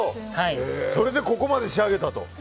それでここまで仕上げたと。